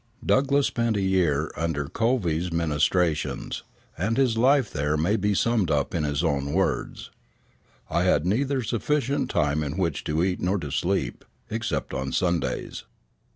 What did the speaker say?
Douglass spent a year under Coveys ministrations, and his life there may be summed up in his own words: "I had neither sufficient time in which to eat nor to sleep, except on Sundays.